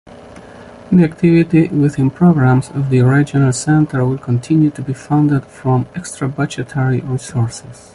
The activity within programs of the Regional Center will continue to be funded from extrabudgetary resources.